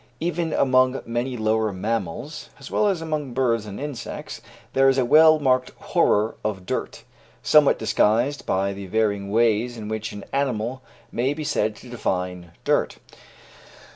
Even among many lower mammals, as well as among birds and insects, there is a well marked horror of dirt, somewhat disguised by the varying ways in which an animal may be said to define "dirt."